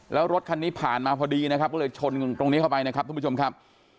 แล้วรถคันนี้ผ่านมาพอดีนะครับก็เลยชนตรงนี้เข้าไปนะครับทุกผู้ชมครับ